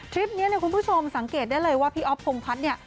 ทริปนี้คุณผู้ชมสังเกตได้เลยว่าพี่อ๊อฟโพงพัดนี่